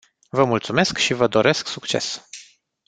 Vă mulțumesc și vă doresc succes.